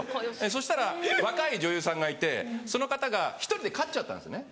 そしたら若い女優さんがいてその方が１人で勝っちゃったんですね